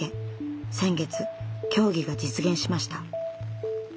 先月協議が実現しました。